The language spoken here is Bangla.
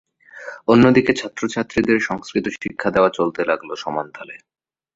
অন্যদিকে ছাত্র-ছাত্রীদের সংস্কৃত শিক্ষা দেওয়া চলতে লাগলো সমান তালে।